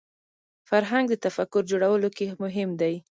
فرهنګ د تفکر جوړولو کې مهم دی